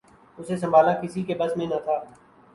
اسے سنبھالنا کسی کے بس میں نہ تھا